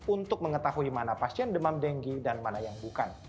untuk mengetahui mana pasien demam denggi dan mana yang bukan